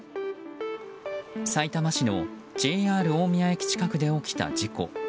さいたま市のＪＲ大宮駅近くで起きた事故。